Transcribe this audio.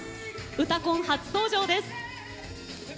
「うたコン」初登場です。